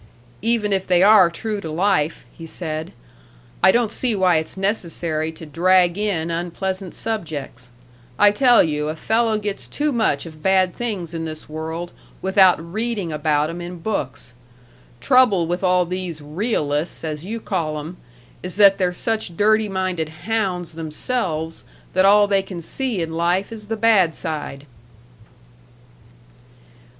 "Even if they are true to life," he said, "I don't see why it's necessary to drag in unpleasant subjects. I tell you a fella gets too much of bad things in this world without reading about 'em in books. Trouble with all these 'realists' as you call 'em, is that they're such dirty minded hounds themselves that all they can see in life is the bad side."